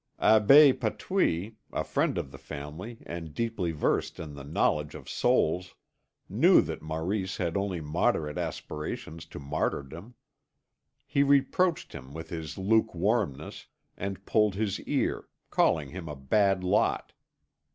Abbé Patouille, a friend of the family and deeply versed in the knowledge of souls, knew that Maurice had only moderate aspirations to martyrdom. He reproached him with his lukewarmness, and pulled his ear, calling him a bad lot.